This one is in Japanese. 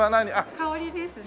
香りですね